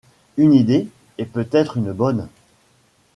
Une idée, et peut être une bonne !…